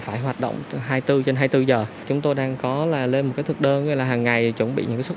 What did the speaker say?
phải hoạt động hai mươi bốn h trên hai mươi bốn h chúng tôi đang có lên một thực đơn gọi là hằng ngày chuẩn bị những suất